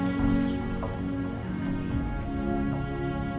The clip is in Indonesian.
sekarang apa gunanya aku hidup